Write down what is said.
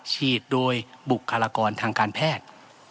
ฉีดโดยบุคลากรทางการแพทย์